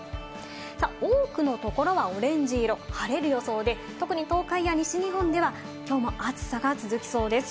多くのところはオレンジ色、晴れる予想で、特に東海や西日本では今日も暑さが続きそうです。